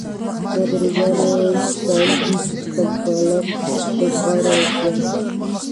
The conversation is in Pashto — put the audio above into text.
دا د رومیانو سټایل نیم سرکلر لوبغالی دی.